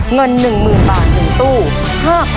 เงิน๑๐๐๐๐บาทอย่างถูก